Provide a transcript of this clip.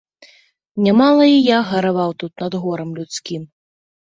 Нямала і я гараваў тут над горам людскім.